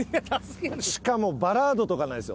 しかもバラードとかなんですよ。